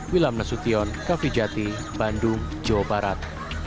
wilham nasution kaffi jati bandung jawa barat